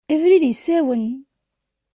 Abrid yessawen.